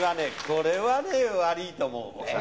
これは悪いと思う。